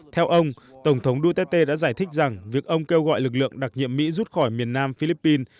theo ông tổng thống duterte đã giải thích rằng việc ông kêu gọi lực lượng đặc nhiệm mỹ rút khỏi miền nam philippines